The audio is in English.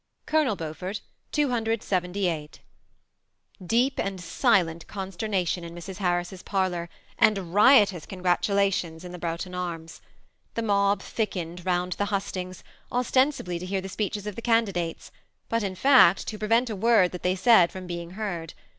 Colonel Beaufort Deep and silent consternation in Mr. Harris's parlor, and riotous congratulations at the Broughtou Arms. The mob thickened round the hustings, ostensibly to hear the speeches of the' candidates, but, in fact, to prevent a word that they said firom being heard.